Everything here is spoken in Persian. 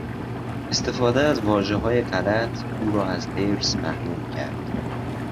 استفاده از واژهی غلط، او را از ارث محروم کرد.